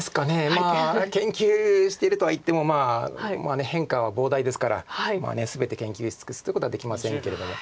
まあ研究してるとはいっても変化は膨大ですから全て研究し尽くすということはできませんけれども。